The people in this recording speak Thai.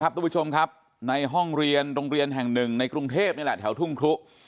ทุกผู้ชมครับในห้องเรียนโรงเรียนแห่งหนึ่งในกรุงเทพนี่แหละแถวทุ่งครุ